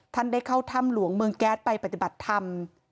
ท่านได้เข้าถ้ำหลวงเมืองแก๊สไปปฏิบัติธรรม